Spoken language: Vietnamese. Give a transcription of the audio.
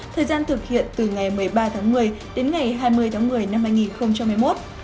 thời gian thực hiện từ ngày một mươi ba tháng một mươi đến ngày hai mươi tháng một mươi năm hai nghìn hai mươi một